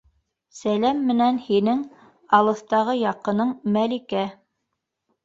Сәләм менән һинең алыҫтағы яҡының Мәликә.